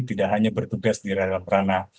tidak hanya bertugas di rana rana